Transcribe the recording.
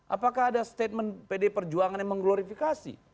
apakah ada statement pdi perjuangan yang mengglorifikasi